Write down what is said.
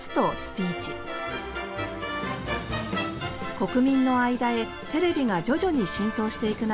国民の間へテレビが徐々に浸透していく中